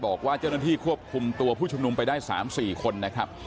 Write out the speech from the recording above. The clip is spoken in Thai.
บอกว่าเจ้าหน้าที่ควบคุมตัวผู้ชุมนุมไปได้๓๔คนนะครับ